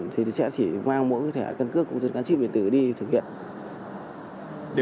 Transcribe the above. thì sẽ chỉ mang mỗi thẻ căn cước công dân gắn chip điện tử đi thực hiện